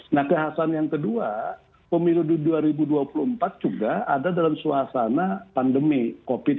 nah kehasan yang kedua pemilu dua ribu dua puluh empat juga ada dalam suasana pandemi covid sembilan belas